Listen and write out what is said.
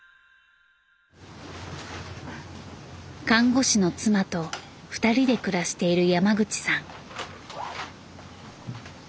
看護師の妻と２人で暮らしている山口さん。